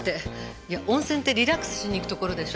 いや温泉ってリラックスしにいく所でしょ？